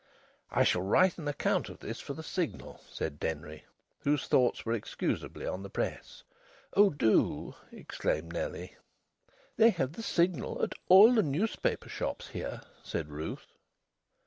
"I shall write an account of this for the Signal," said Denry, whose thoughts were excusably on the Press. "Oh, do!" exclaimed Nellie. "They have the Signal at all the newspaper shops here," said Ruth.